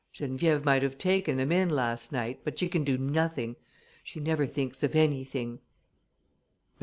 Geneviève might have taken them in last night, but she can do nothing. She never thinks of anything."